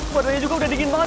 warnanya juga udah dingin banget